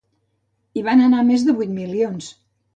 Hi van anar més de vuit milions.